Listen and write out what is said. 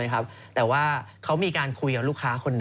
ว่าขอรู้ว่าวันที่การเรียงลำดับ